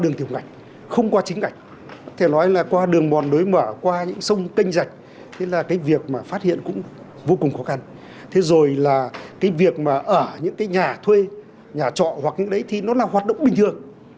những cái nhà thuê nhà trọ hoặc những cái đấy thì nó là hoạt động bình thường